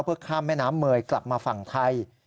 เพื่อข้ามแม่น้ำเมยกลับมาฝั่งไทย